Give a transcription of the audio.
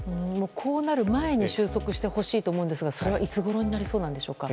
こうなる前に収束してほしいと思うんですがそれは、いつごろになりそうなんでしょうか。